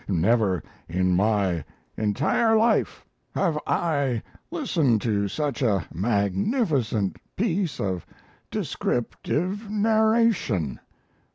Never in my entire life have I listened to such a magnificent piece of descriptive narration.